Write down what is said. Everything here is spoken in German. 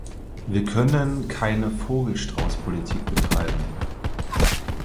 Wir können keine Vogel-Strauß Politik betreiben.